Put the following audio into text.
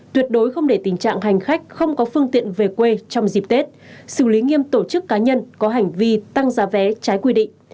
tuyệt đối không để tình trạng hành khách không có phương tiện về quê trong dịp tết xử lý nghiêm tổ chức cá nhân có hành vi tăng giá vé trái quy định